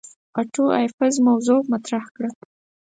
آټو ایفز موضوغ مطرح کړه.